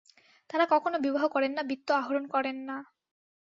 তাঁরা কখনও বিবাহ করেন না, বিত্ত আহরণ করেন না।